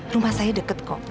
rumah saya deket kok